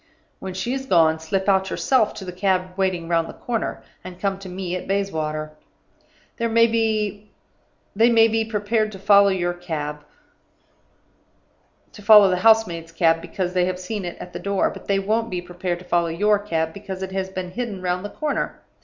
When she is gone, slip out yourself to the cab waiting round the corner, and come to me at Bayswater. They may be prepared to follow the house maid's cab, because they have seen it at the door; but they won't be prepared to follow your cab, because it has been hidden round the corner.